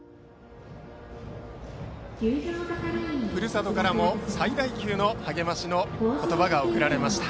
ふるさとからも最大級の励ましの言葉が送られました。